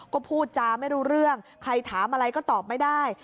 ก็พูดจาไม่รู้เรื่องใครถามอะไรก็ตอบไม่ได้